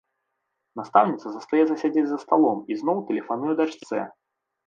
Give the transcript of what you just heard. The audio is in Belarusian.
Настаўніца застаецца сядзець за сталом і зноў тэлефануе дачцэ.